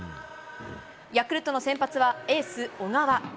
ヤクルトの先発は、エース、小川。